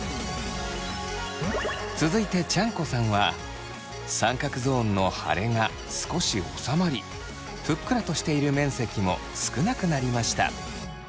続いてチャン子さんは三角ゾーンの腫れが少し治まりふっくらとしている面積も少なくなりました。